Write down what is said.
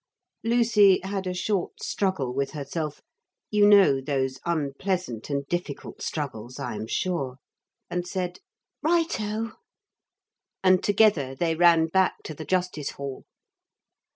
Lucy had a short struggle with herself (you know those unpleasant and difficult struggles, I am sure!) and said: 'Right o!' And together they ran back to the Justice Hall.